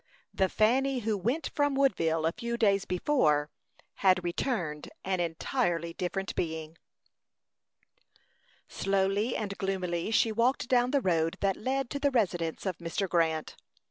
The Fanny who went from Woodville a few days before had returned an entirely different being. Slowly and gloomily she walked down the road that led to the residence of Mr. Grant.